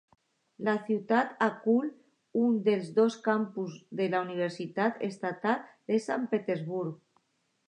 La ciutat acull un dels dos campus de la Universitat Estatal de Sant Petersburg.